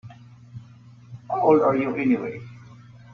How old are you anyway?